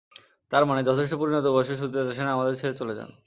তার মানে, যথেষ্ট পরিণত বয়সেই সুচিত্রা সেন আমাদের ছেড়ে চলে গেলেন।